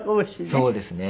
そうですね。